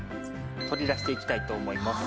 取り出していきたいと思います。